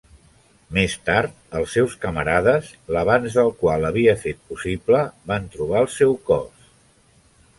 Més tard, els seus camarades, l'avanç del qual havia fet possible, van trobar el seu cos.